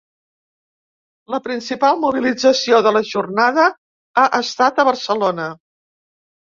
La principal mobilització de la jornada ha estat a Barcelona.